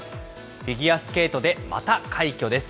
フィギュアスケートでまた快挙です。